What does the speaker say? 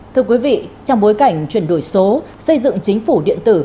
thưa quý vị trong bối cảnh chuyển đổi số xây dựng chính phủ điện tử